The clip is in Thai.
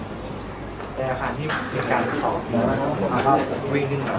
ในอาคารที่กินการบุคคลก็วิ่งขึ้นขึ้น